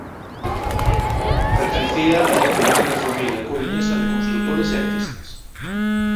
Pertencía a unha coñecida familia coruñesa de construtores e artistas.